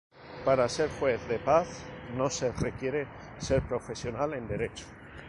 Para ser juez de paz no se requiere ser profesional en Derecho.